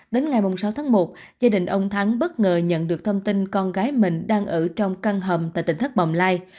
đến ngày sáu tháng một gia đình ông thắng bất ngờ nhận được thông tin con gái mình đang ở trong căn hầm tại tỉnh thất bồng lai